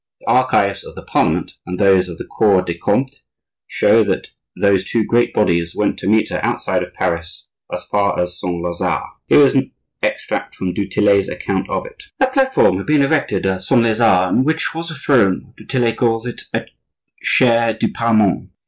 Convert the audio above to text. The archives of the Parliament, and those of the Cour des Comptes, show that those two great bodies went to meet her outside of Paris as far as Saint Lazare. Here is an extract from du Tillet's account of it:— "A platform had been erected at Saint Lazare, on which was a throne (du Tillet calls it a chair de parement).